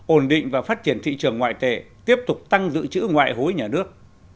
ổn định và phát triển thị trường ngoại tệ tiếp tục tăng dự trữ ngoại hối nhà nước